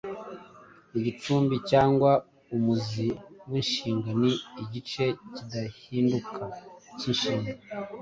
Igicumbi cyangwa umuzi w’inshinga ni igice kidahinduka k’inshinga,